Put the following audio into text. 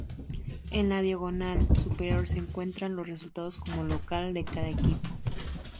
En la diagonal superior se encuentran los resultados como local de cada equipo.